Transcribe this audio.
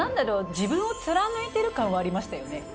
自分を貫いてる感はありましたよね。